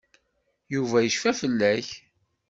Yuba yecfa fell-ak.